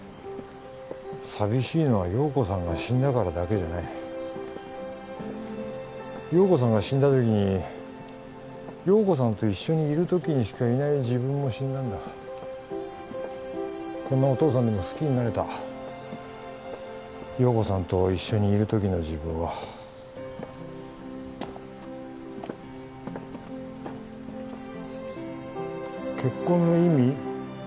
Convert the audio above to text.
寂しいのは陽子さんが死んだからだけじゃない陽子さんが死んだ時に陽子さんと一緒にいる時にしかいない自分も死んだんだこんなお父さんでも好きになれた陽子さんと一緒にいる時の自分は結婚の意味？